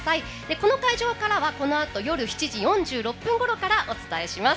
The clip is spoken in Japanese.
この会場からはこのあと夜７時４６分ごろからお伝えします。